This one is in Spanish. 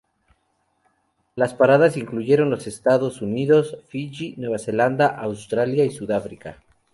Las paradas incluyeron los Estados Unidos, Fiyi, Nueva Zelanda, Australia y Sudáfrica.